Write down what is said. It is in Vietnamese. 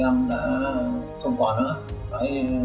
thì anh đã không còn nữa